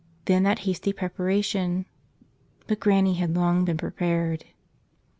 Then that hasty preparation — but Granny had long been prepared.